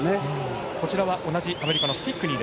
こちらは同じアメリカのスティックニー。